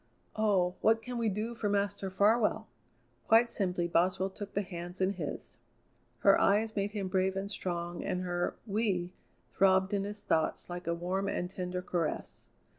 Oh! what can we do for Master Farwell?" Quite simply Boswell took the hands in his. Her eyes made him brave and strong, and her "we" throbbed in his thoughts like a warm and tender caress.